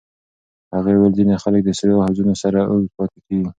هغې وویل ځینې خلک د سړو حوضونو سره اوږد پاتې کېږي.